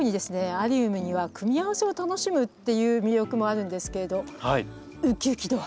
アリウムには組み合わせを楽しむっていう魅力もあるんですけれどウキウキ度は？